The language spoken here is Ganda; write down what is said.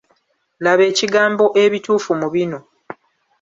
Laba ekigambo ebituufu mu bino.